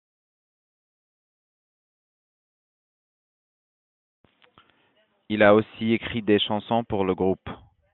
Il a aussi écrit des chansons pour le groupe.